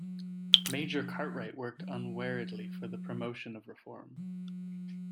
Major Cartwright worked unweariedly for the promotion of reform.